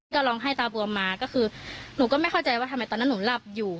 ก็ร้องไห้ตาบวมมาก็คือหนูก็ไม่เข้าใจว่าทำไมตอนนั้นหนูหลับอยู่